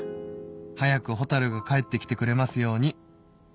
「早く蛍が帰ってきてくれますように」